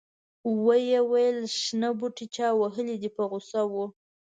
ویې ویل شنه بوټي چا وهلي دي په غوسه و.